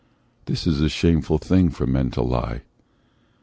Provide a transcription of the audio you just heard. This is a shameful thing for men to lie.